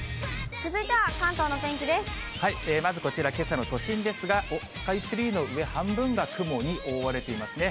まずこちら、けさの都心ですが、おっ、スカイツリーの上半分が雲に覆われていますね。